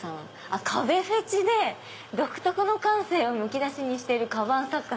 「『壁フェチ』で独特の感性をむき出しにしているカバン作家」。